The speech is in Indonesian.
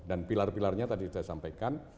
dan pilar pilarnya tadi saya sampaikan